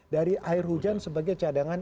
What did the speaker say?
dari air hujan sebagai cadangan